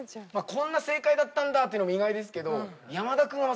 こんな正解だったんだっていうの意外ですけど山田君は。